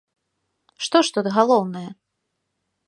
Што ж тут галоўнае?